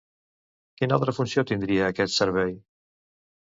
Quina altra funció tindrà aquest servei?